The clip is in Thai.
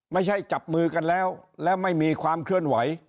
ไม่ใช่จับมือกันแล้วแล้วไม่มีความเคลื่อนไหว